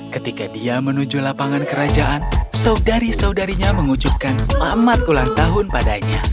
ketika dia menuju lapangan kerajaan saudari saudarinya mengujudkan selamat ulang tahun padanya